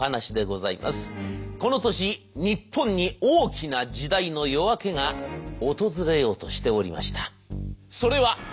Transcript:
この年日本に大きな時代の夜明けが訪れようとしておりました。